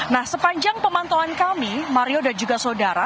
nah sepanjang pemantauan kami mario dan juga saudara